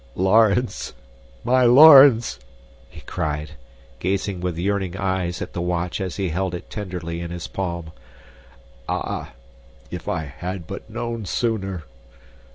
"Laurens! My Laurens!" he cried, gazing with yearning eyes at the watch as he held it tenderly in his palm. "Ah, if I had but known sooner!